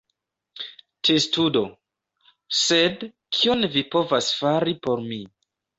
Testudo: "Sed, kion vi povas fari por mi?"